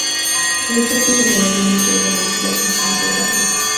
Realizó estudios de Ingeniería Industrial en la Universidad Complutense de Madrid.